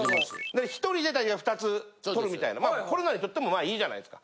１人で２つ取るみたいなコロナにとってもまあいいじゃないですか。